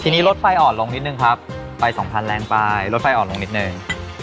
ทีนี้รถไฟอ่อนลงนิดนึงครับไปสองพันแรงไปรถไฟอ่อนลงนิดนึง